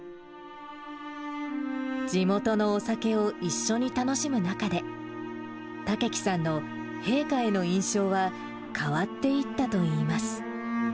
地元のお酒を一緒に楽しむ中で、岳樹さんの陛下への印象は、変わっていったといいます。